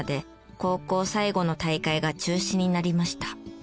高校最後の大会が中止になりました。